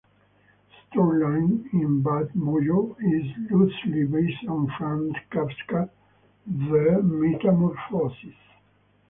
The storyline in "Bad Mojo" is loosely based on Franz Kafka's "The Metamorphosis".